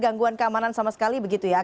gangguan keamanan sama sekali begitu ya